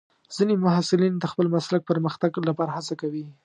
ځینې محصلین د خپل مسلک پرمختګ لپاره هڅه کوي.